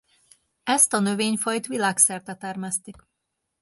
Ezt a növényfajt világszerte termesztik.